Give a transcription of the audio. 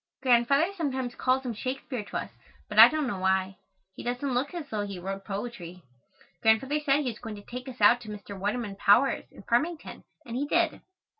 Grandfather sometimes calls him Shakespeare to us, but I don't know why. He doesn't look as though he wrote poetry. Grandfather said he was going to take us out to Mr. Waterman Powers' in Farmington and he did.